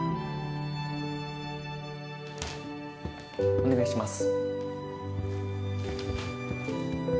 お願いします。